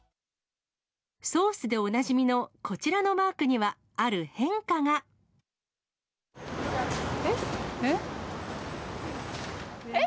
ソースでおなじみのこちらのマークには、ある変化が。え？